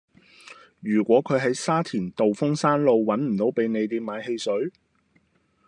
如果佢喺沙田道風山路搵唔到便利店買汽水